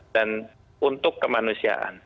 dan untuk kemanusiaan